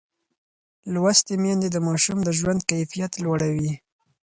لوستې میندې د ماشوم د ژوند کیفیت لوړوي.